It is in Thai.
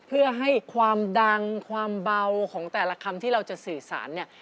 เพื่อให้ความดังความเบาของแต่ละคำที่เราจะสื่อสารเนี่ย